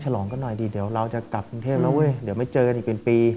ฉลองกันหน่อยดีเดี๋ยวเราจะกลับกรุงเทพแล้วเว้ยเดี๋ยวมาเจอกันอีกเป็นปี